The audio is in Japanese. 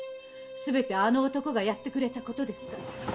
すべてあの男がやってくれたことですから。